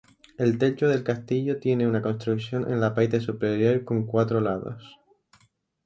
El techo del castillo tiene una construcción en la parte superior con cuatro lados.